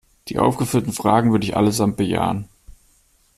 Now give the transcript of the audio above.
Die aufgeführten Fragen würde ich allesamt bejahen.